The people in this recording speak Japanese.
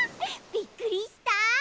びっくりした？